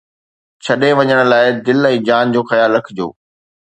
ڇڏي وڃڻ لاءِ دل ۽ جان جو خيال رکجو